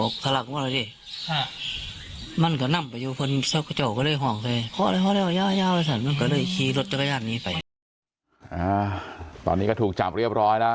เคยย้อนมาขอเข้ามาแล้วบอกเดี๋ยวจะบัวให้